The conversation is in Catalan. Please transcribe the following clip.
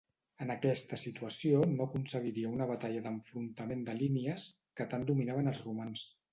En aquesta situació no aconseguiria una batalla d'enfrontament de línies, que tant dominaven els romans.